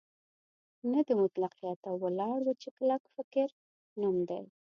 نه د مطلقیت او ولاړ وچ کلک فکر نوم دی.